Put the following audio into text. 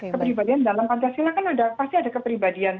kepribadian dalam pantai sila kan pasti ada kepribadian